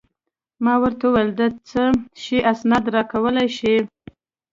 ما ورته وویل: د څه شي اسناد راکولای شې؟